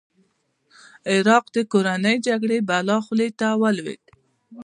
عراق د کورنۍ جګړې بلا خولې ته ولوېد.